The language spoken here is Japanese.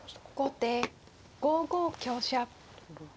後手５五香車。